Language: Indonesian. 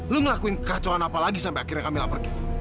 lo ngelakuin kekacauan apa lagi sampe akhirnya camilla pergi